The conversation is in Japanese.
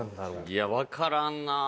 いやわからんなあ。